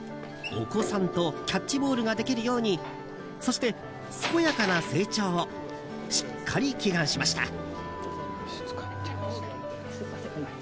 お子さんとキャッチボールができるようにそして、健やかな成長をしっかり祈願しました。